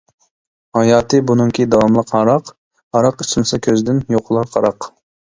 ھاياتى بۇنىڭكى داۋاملىق ھاراق، ھاراق ئىچمىسە كۆزىدىن يوقىلار قاراق.